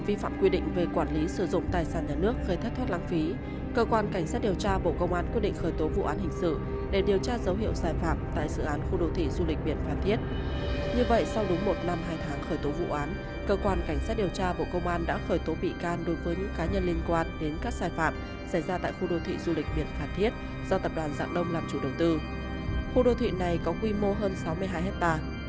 căn cứ kết quả điều tra mở rộng vụ án vi phạm quy định về quản lý sử dụng tài sản nhà nước gây thất thoát lãng phí theo quy định khởi tố vụ án số tám qd vp cq cs dt